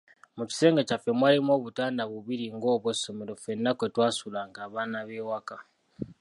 Mu kisenge kyaffe mwalimu obutanda bubiri ng'obw'amasomero ffenna kwe twasulanga abaana b'ewaka.